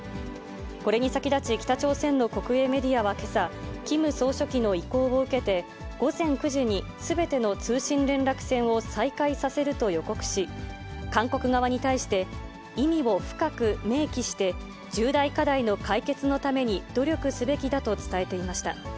これに先立ち、北朝鮮の国営メディアはけさ、キム総書記の意向を受けて、午前９時にすべての通信連絡線を再開させると予告し、韓国側に対して、意味を深く銘記して、重大課題の解決のために努力すべきだと伝えていました。